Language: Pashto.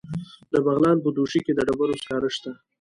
د بغلان په دوشي کې د ډبرو سکاره شته.